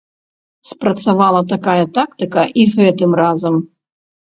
Спрацавала такая тактыка і гэтым разам.